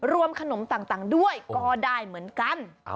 รวมขนมต่างด้วยก็ได้เหมือนกัน